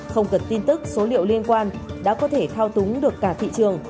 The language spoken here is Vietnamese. không cần tin tức số liệu liên quan đã có thể thao túng được cả thị trường